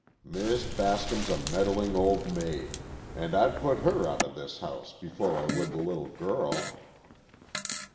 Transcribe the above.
"Miss Bascom's a meddling old maid, and I'd put her out of this house before I would the little girl."